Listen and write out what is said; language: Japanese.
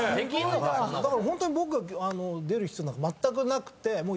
だからホントに僕が出る必要なんかまったくなくて。